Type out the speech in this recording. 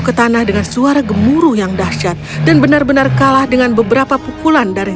ke tanah dengan suara gemuruh yang dahsyat dan benar benar kalah dengan beberapa pukulan dari